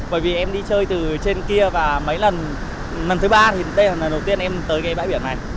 bởi vì em đi chơi từ trên kia và mấy lần lần thứ ba thì đây là lần đầu tiên em tới cái bãi biển này